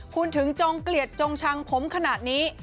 คุณถึงจงเกลียดจงชังผมขนาดนี้